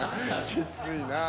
きついなぁ。